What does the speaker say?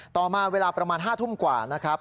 ต่อมาเวลาประมาณ๕ทุ่มกว่านะครับ